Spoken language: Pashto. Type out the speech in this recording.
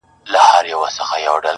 په بدل کي دي غوايي دي را وژلي،